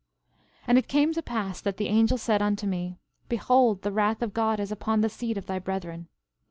13:11 And it came to pass that the angel said unto me: Behold the wrath of God is upon the seed of thy brethren.